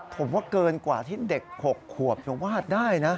ผมว่าเกินกว่าที่เด็ก๖ขวบจะวาดได้นะ